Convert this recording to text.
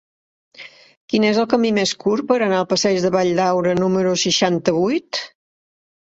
Quin és el camí més curt per anar al passeig de Valldaura número seixanta-vuit?